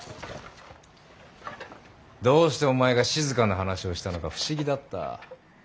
どうしてお前が静の話をしたのか不思議だった。